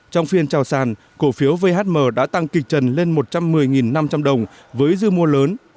trong phiên trào sàn cổ phiếu vhm đã tăng kịch trần lên một trăm một mươi năm trăm linh đồng với dư mô lớn